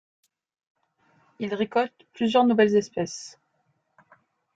Il récolte plusieurs nouvelles espèces.